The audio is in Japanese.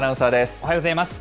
おはようございます。